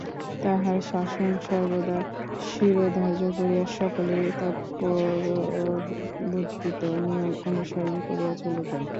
তাঁহার শাসন সর্বদা শিরোধার্য করিয়া সকলেই তৎপ্রবর্তিত নিয়ম অনুসরণ করিয়া চলিতেন।